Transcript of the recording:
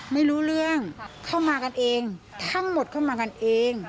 ไม่รู้เรื่องเข้ามากันเองทั้งหมดเข้ามากันเอง